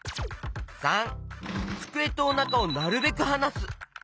③つくえとおなかをなるべくはなす。